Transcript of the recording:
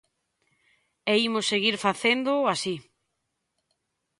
E imos seguir facéndoo así.